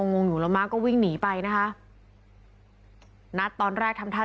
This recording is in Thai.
งงอยู่แล้วม้าก็วิ่งหนีไปนะคะนัทตอนแรกทำท่า